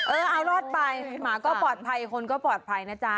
เออเอารอดไปหมาก็ปลอดภัยคนก็ปลอดภัยนะจ๊ะ